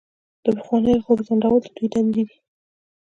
د پخوانیو غړو ځنډول د دوی دندې دي.